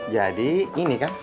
jadi ini kan